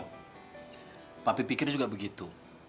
pom papi pikir juga begitu